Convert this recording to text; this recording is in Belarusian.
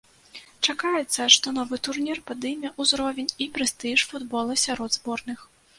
Чакаецца, што новы турнір падыме ўзровень і прэстыж футбола сярод зборных.